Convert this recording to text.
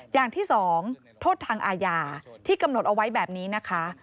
อย่างที่สองโทษทางอาญาที่กำหนดเอาไว้แบบนี้นะคะ